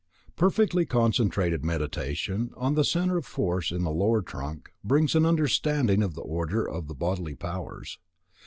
Perfectly concentrated Meditation on the centre of force in the lower trunk brings an understanding of the order of the bodily powers.